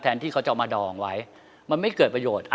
ที่เขาจะเอามาดองไว้มันไม่เกิดประโยชน์